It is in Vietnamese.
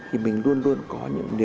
cái bài tập của thầy